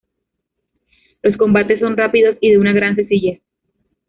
Los combates son rápidos y de una gran sencillez.